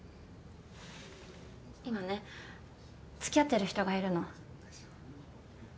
今ね付き合ってる人がいるの。